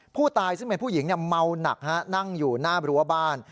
ผู้ตายซึ่งเป็นผู้หญิงเมาหนักนั่งอยู่หน้ารั้วบ้าน